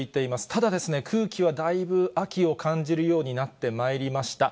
ただ、空気はだいぶ秋を感じるようになってまいりました。